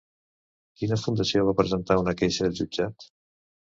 Quina fundació va presentar una queixa al jutjat?